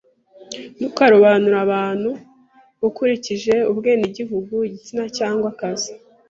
Ntukarobanure abantu ukurikije ubwenegihugu, igitsina, cyangwa akazi.